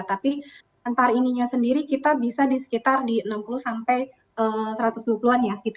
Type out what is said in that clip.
tapi antar ininya sendiri kita bisa di sekitar di enam puluh sampai satu ratus dua puluh an ya